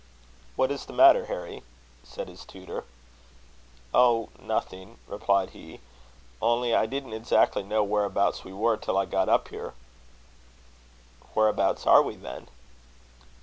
"What is the matter, Harry?" said his tutor. "Oh, nothing," replied he; "only I didn't exactly know whereabouts we were till I got up here." "Whereabouts are we, then?"